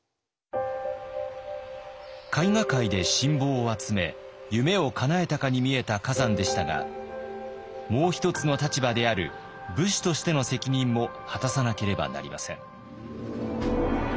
絵画界で信望を集め夢をかなえたかに見えた崋山でしたがもう一つの立場である武士としての責任も果たさなければなりません。